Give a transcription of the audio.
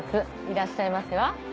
「いらっしゃいませ」は？